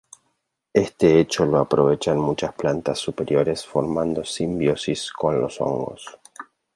Este hecho lo aprovechan muchas plantas superiores formando simbiosis con los hongos.